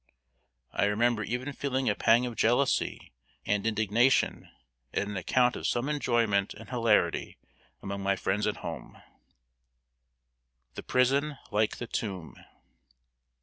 I remember even feeling a pang of jealousy and indignation at an account of some enjoyment and hilarity among my friends at home. [Sidenote: THE PRISON LIKE THE TOMB.